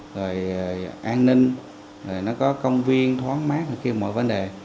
rồi an ninh rồi nó có công viên thoáng mát ở kia mọi vấn đề